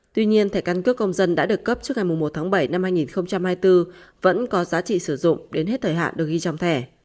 tuy nhiên thẻ căn cước công dân đã được cấp trước ngày một tháng bảy năm hai nghìn hai mươi bốn vẫn có giá trị sử dụng đến hết thời hạn được ghi trong thẻ